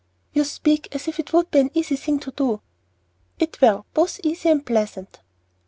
"You speak as if it would be an easy thing to do." "It will, both easy and pleasant."